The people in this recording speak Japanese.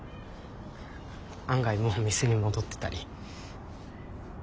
案外もう店に戻ってたり。